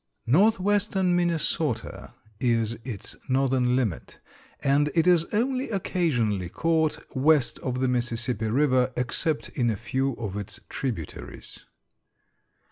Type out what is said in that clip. Northwestern Minnesota is its northern limit, and it is only occasionally caught west of the Mississippi River, except in a few of its tributaries.